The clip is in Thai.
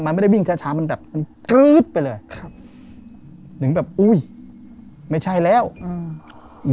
มันไม่ได้วิ่งช้าช้ามันแบบมันกรื๊ดไปเลยครับถึงแบบอุ้ยไม่ใช่แล้วอืม